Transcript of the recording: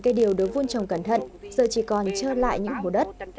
một cây điều đối vun trồng cẩn thận giờ chỉ còn trơ lại những mùa đất